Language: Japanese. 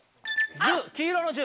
１０黄色の１０。